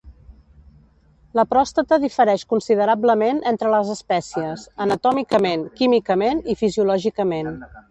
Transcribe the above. La pròstata difereix considerablement entre les espècies, anatòmicament, químicament i fisiològicament.